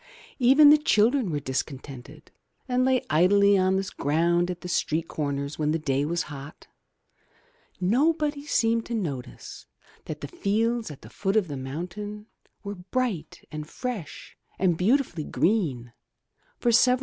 Even the children were discontented, and lay idly on the ground at the street comers when the day was hot. Nobody seemed to notice that the fields at the foot of the mountain were bright and fresh and beautifully green for several months in *Erom Jewish Fairy Tales.